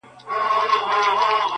بیا وایم چې نه سر مې چکر خوړلی دی